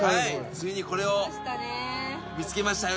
ついにこれを見つけましたよ。